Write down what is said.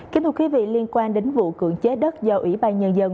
kính thưa quý vị liên quan đến vụ cưỡng chế đất do ủy ban nhân dân